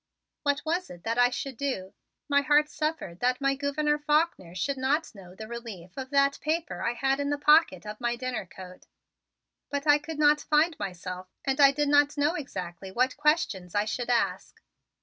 What was it that I should do? My heart suffered that my Gouverneur Faulkner should not know the relief of that paper I had in the pocket of my dinner coat, but I could not find myself and I did not know exactly what questions I should ask.